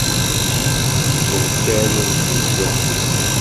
Seg umkan n tnezduɣt-is.